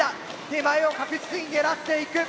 手前を確実に狙っていく。